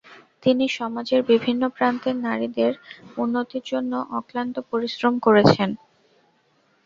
তিনি সমাজের বিভিন্ন প্রান্তের নারীদের উন্নতির জন্য অক্লান্ত পরিশ্রম করেছেন।